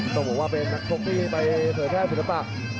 ต้องบอกว่าเป็นนักโชคที่ไปเผยแพร่ฝุ่นภักดิ์